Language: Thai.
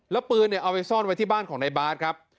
แล้วปืนเนี่ยเอาไปซ่อนไว้ที่บ้านของนายบาทครับ